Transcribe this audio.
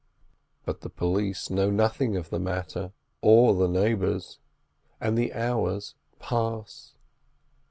But the police know nothing of the matter, or the neighbours, and the hours pass.